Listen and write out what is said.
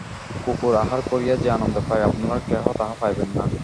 কুকুর আহার করিয়া যে আনন্দ পায়, আপনারা কেহ তাহা পাইবেন না।